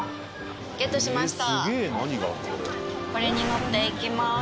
ゲットしました。